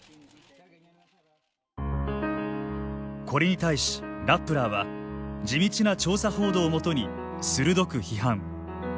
これに対しラップラーは地道な調査報道を基に鋭く批判。